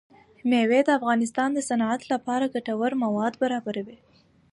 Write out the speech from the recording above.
مېوې د افغانستان د صنعت لپاره ګټور مواد برابروي.